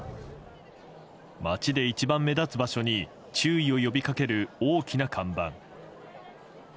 街で一番目立つ場所に注意を呼び掛ける大きな看板。